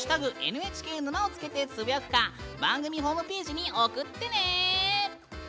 「＃ＮＨＫ沼」をつけてつぶやくか番組ホームページに送ってね！